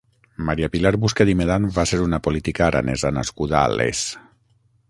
Maria Pilar Busquet i Medan va ser una política aranesa nascuda a Les.